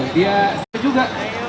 oh dia juga